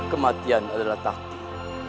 kematian adalah takdir